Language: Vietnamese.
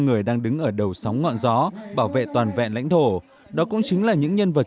người đang đứng ở đầu sóng ngọn gió bảo vệ toàn vẹn lãnh thổ đó cũng chính là những nhân vật